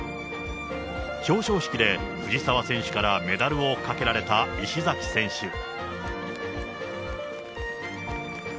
表彰式で、藤澤選手からメダルをかけられた石崎選手。